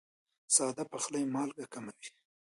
ساده پخلی مالګه کموي.